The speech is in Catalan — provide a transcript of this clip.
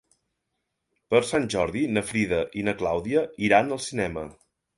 Per Sant Jordi na Frida i na Clàudia iran al cinema.